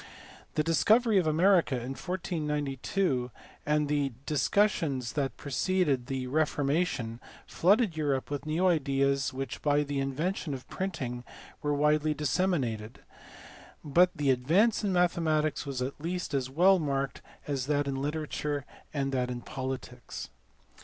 The discovery of America in 1492 and the discussions that preceded the Reformation flooded Europe with new ideas which by the invention of printing were widely disseminated ; but the advance in mathematics was at least as well marked as that in literature and that in politics.